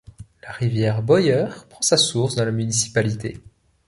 La rivière Boyer prend sa source dans la municipalité.